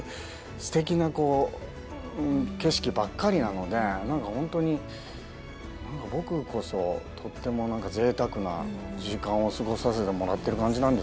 こう景色ばっかりなので何か本当に僕こそとってもぜいたくな時間を過ごさせてもらってる感じなんですよね。